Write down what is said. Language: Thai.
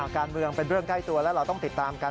การเมืองเป็นเรื่องใกล้ตัวและเราต้องติดตามกัน